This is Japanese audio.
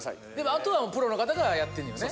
あとはプロの方がやってんのよね